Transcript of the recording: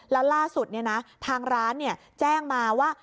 แล้วล่าสุดเนี่ยนะทางร้านเนี่ยแจ้งมาว่า